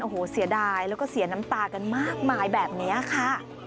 โอ้โหเสียดายแล้วก็เสียน้ำตากันมากมายแบบนี้ค่ะ